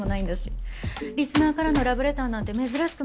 リスナーからのラブレターなんて珍しくもなんともないんだから。